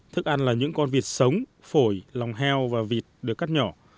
thức ăn là những con vịt sống phổi lòng heo và vịt được cắt nhỏ